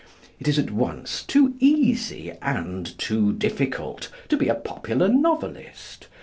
It is at once too easy and too difficult to be a popular novelist.